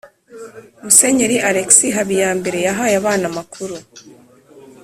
musenyeri alexis habiyambere yahaye abana amakuru